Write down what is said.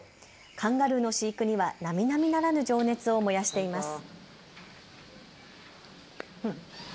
カンガルーの飼育には、なみなみならぬ情熱を燃やしています。